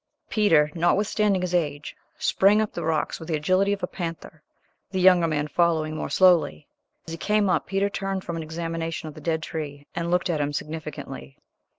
Peter, notwithstanding his age, sprang up the rocks with the agility of a panther, the younger man following more slowly. As he came up Peter turned from an examination of the dead tree and looked at him significantly.